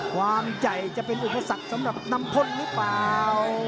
ความใหญ่จะเป็นอุปสรรคสำหรับนำพ่นหรือเปล่า